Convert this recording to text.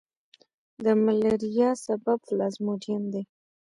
د ملیریا سبب پلازموډیم دی.